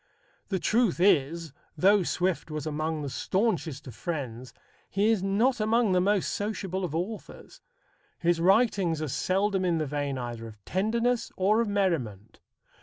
The truth is, though Swift was among the staunchest of friends, he is not among the most sociable of authors. His writings are seldom in the vein either of tenderness or of merriment.